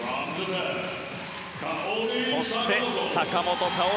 そして坂本花織。